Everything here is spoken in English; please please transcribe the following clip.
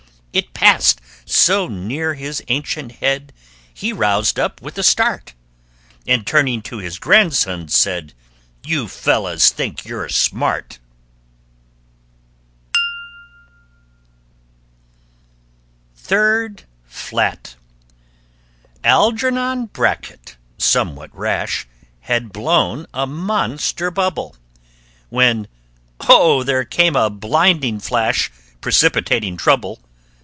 It passed so near his ancient head He roused up with a start, And, turning to his grandsons, said, "You fellows think you're smart!" [Illustration: SECOND FLAT] THIRD FLAT Algernon Bracket, somewhat rash, Had blown a monster bubble, When, oh! there came a blinding flash, Precipitating trouble!